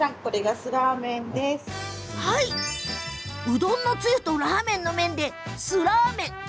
うどんのつゆとラーメンの麺でスラーメン。